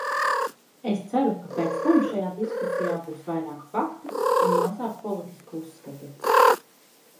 Es ceru, ka pēc tam šajā diskusijā būs vairāk faktu un mazāk politisku uzskatu.